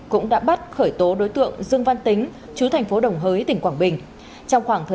cũng đã bắt khởi tố đối tượng dương văn tính chú thành phố đồng hới tỉnh quảng bình